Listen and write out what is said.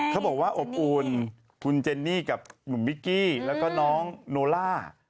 เขาบอกว่าอบอุ่นคุณเจนนี่กับหนุ่มมิกกี้แล้วก็น้องโนล่า